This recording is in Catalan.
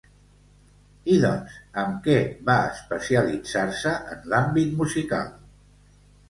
I doncs, amb què va especialitzar-se, en l'àmbit musical?